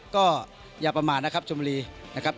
ก็อย่าประมาณนะครับชมบุรีนะครับ